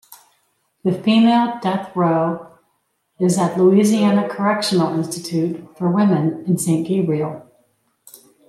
The female death row is at Louisiana Correctional Institute for Women in Saint Gabriel.